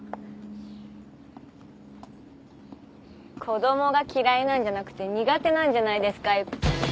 子供が嫌いなんじゃなくて苦手なんじゃないですか湯川。